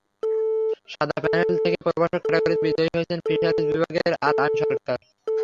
সাদা প্যানেল থেকে প্রভাষক ক্যাটাগরিতে বিজয়ী হয়েছেন ফিশারিজ বিভাগের আল-আমিন সরকার।